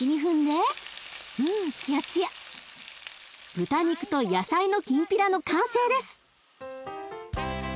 豚肉と野菜のきんぴらの完成です！